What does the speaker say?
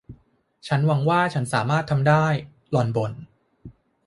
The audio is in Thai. ฉันหวังว่าฉันสามารถทำได้ หล่อนบ่น